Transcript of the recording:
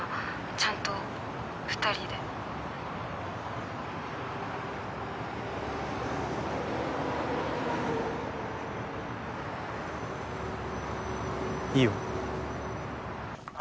ちゃんと２人でいいよ